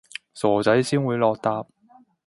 傻仔先會落疊